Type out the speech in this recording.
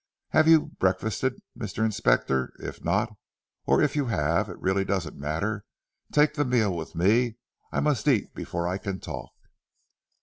"Have you breakfasted Mr. Inspector? If not, or if you have it really doesn't really matter take the meal with me. I must eat before I can talk."